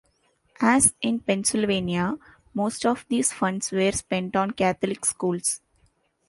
As in Pennsylvania, most of these funds were spent on Catholic schools.